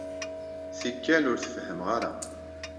Tikkal, ur t-fehhmeɣ ara.